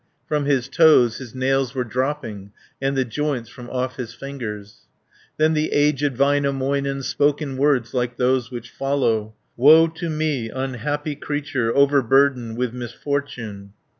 From his toes his nails were dropping, And the joints from off his fingers. Then the aged Väinämöinen Spoke in words like those which follow: "Woe to me, unhappy creature, Overburdened with misfortune!